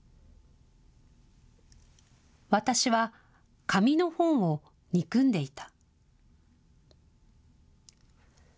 私は紙の本を憎んでいた。